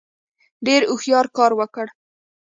ډېر هوښیار کار وکړ.